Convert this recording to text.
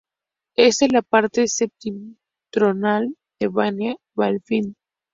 Está en la parte septentrional de bahía Baffin.